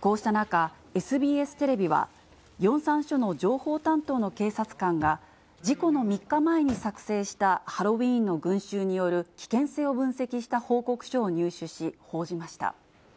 こうした中、ＳＢＳテレビは、ヨンサン署の情報担当の警察官が、事故の３日前に作成した、ハロウィーンの群衆による危険性を分析した報告書を入手し、報じました。